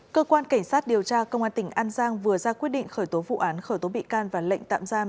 cơ quan cảnh sát điều tra công an tỉnh an giang vừa ra quyết định khởi tố vụ án khởi tố bị can và lệnh tạm giam